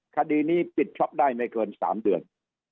คดีนี้ปิดช็อปได้ไม่เกิน๓เดือน